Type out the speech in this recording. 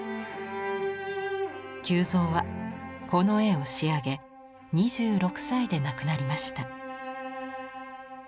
久蔵はこの絵を仕上げ２６歳で亡くなりました。